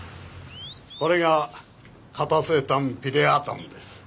これがカタセタムピレアタムです。